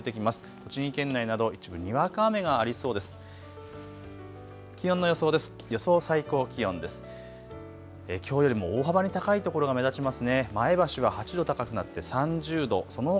栃木県内など一部にわか雨がありそうです。